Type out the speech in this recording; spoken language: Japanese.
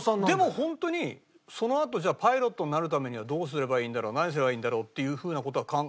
でもホントにそのあとじゃあパイロットになるためにはどうすればいいんだろう何すればいいんだろうっていうふうな事は。